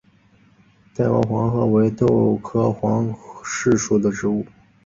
袋萼黄耆为豆科黄芪属的植物。